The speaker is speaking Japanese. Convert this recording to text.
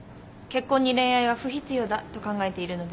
結婚に恋愛は不必要だと考えているので。